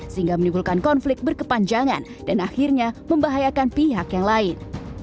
sehingga menimbulkan konflik berkepanjangan dan akhirnya membahayakan pihak yang lain